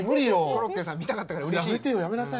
コロッケさん見たかったからうれしい。